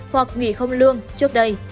hoặc nghỉ không lương trước đây